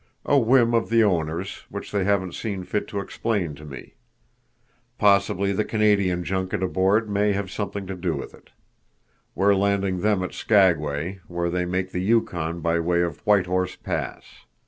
A whim of the owners, which they haven't seen fit to explain to me. Possibly the Canadian junket aboard may have something to do with it. We're landing them at Skagway, where they make the Yukon by way of White Horse Pass.